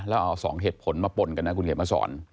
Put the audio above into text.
กับที่ชั้นลงไปแล้วเนี้ยคุณเอียดมาสอน